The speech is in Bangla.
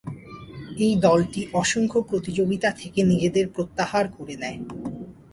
এই দলটি অসংখ্য প্রতিযোগিতা থেকে নিজেদের প্রত্যাহার করে নেয়।